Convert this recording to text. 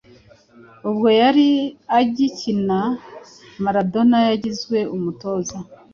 ubwo yari agikina, Maradona yagizwe umutoza